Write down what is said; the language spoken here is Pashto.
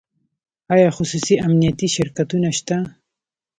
آیا خصوصي امنیتي شرکتونه شته؟